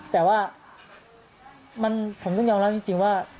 แต่ว่าผมต้องยอมรับจริงว่า